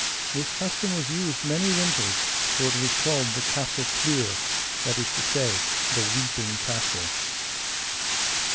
This custom was used many winters, for it was called the Castle Pluere, that is to say the Weeping Castle.